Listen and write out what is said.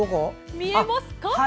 見えますか？